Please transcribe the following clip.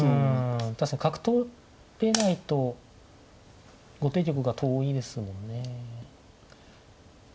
確かに角取れないと後手玉が遠いですもんね。